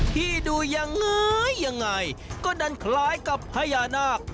ที่ดูยังไงยังไงก็ดันคล้ายกับพญานาค